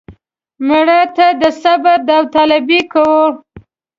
مړه ته د صبر داوطلبي کوو